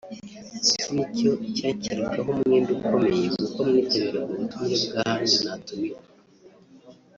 Icyo ni cyo cyanshyiragamo umwenda ukomeye kuko mwitabiraga ubutumire bw’ahandi natumiwe